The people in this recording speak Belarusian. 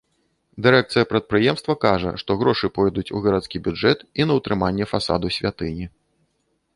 Дырэкцыя прадпрыемства кажа, што грошы пойдуць у гарадскі бюджэт і на ўтрыманне фасаду святыні.